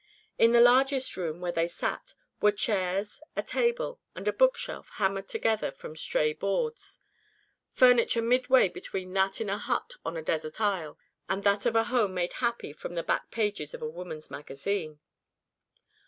In the largest room, where they sat, were chairs, a table, and a book shelf hammered together from stray boards furniture midway between that in a hut on a desert isle and that of a home made happy from the back pages of a woman's magazine.